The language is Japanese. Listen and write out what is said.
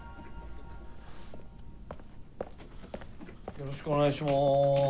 よろしくお願いします。